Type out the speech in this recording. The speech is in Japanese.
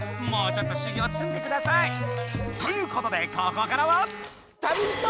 もうちょっと修行つんでください！ということでここからは！